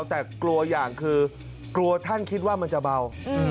แต่กลัวอย่างคือกลัวท่านคิดว่ามันจะเบา